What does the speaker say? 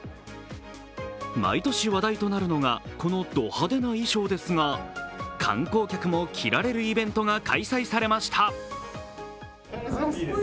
毎年話題となるのが、このド派手な衣装ですが観光客も着られるイベントが開催されました。